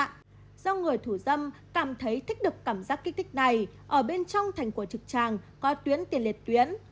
do người thủ dâm cảm thấy thích được cảm giác kích thích này ở bên trong thành của trực tràng có tuyến tiền liệt tuyến